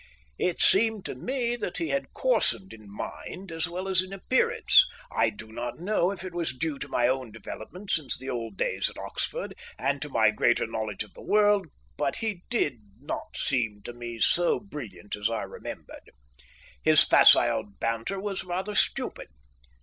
It seemed to me that he had coarsened in mind as well as in appearance. I do not know if it was due to my own development since the old days at Oxford, and to my greater knowledge of the world, but he did not seem to me so brilliant as I remembered. His facile banter was rather stupid.